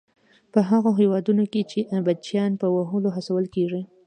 په هغو هېوادونو کې چې بچیان په وهلو هڅول کیږي.